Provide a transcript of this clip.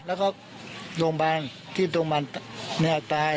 แล้วก็โรงพยาบาลที่โรงพยาบาลแมวตาย